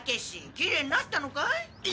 きれいになったのかい？